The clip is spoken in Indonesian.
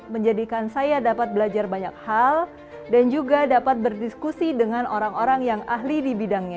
menjadikan saya dapat belajar banyak hal dan juga dapat berdiskusi dengan orang orang yang ahli di bidangnya